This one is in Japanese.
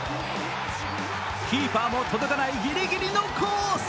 キーパーも届かないぎりぎりのコース。